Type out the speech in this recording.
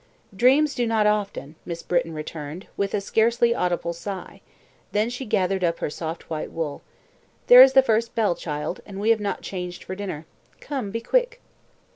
"Dreams do not often," Miss Britton returned, with a scarcely audible sigh; then she gathered up her soft white wool. "There is the first bell, child, and we have not changed for dinner. Come, be quick."